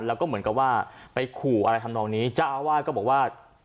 แล้วก็เหมือนกับว่าไปขู่อะไรทำนองนี้เจ้าอาวาสก็บอกว่า